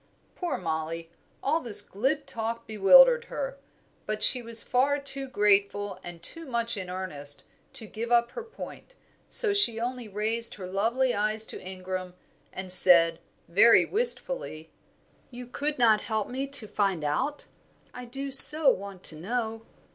Poor Mollie. All this glib talk bewildered her, but she was far too grateful, and too much in earnest, to give up her point, so she only raised her lovely eyes to Ingram and said, very wistfully, "You could not help me to find out. I do so want to know."